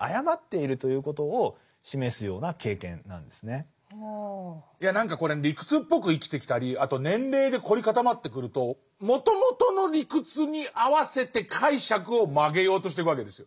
それに対していや何かこれ理屈っぽく生きてきたりあと年齢で凝り固まってくるともともとの理屈に合わせて解釈を曲げようとしていくわけですよ。